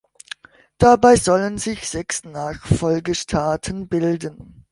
Dabei sollen sich sechs Nachfolgestaaten bilden.